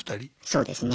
そうですね。